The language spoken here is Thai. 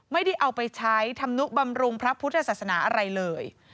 ไม่ได้เอาไปใช้ธรรมนุบำรุงพระพุทธศาสนาอะไรเลย